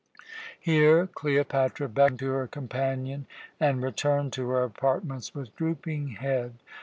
Here Cleopatra beckoned to her companion and returned to her apartments with drooping head.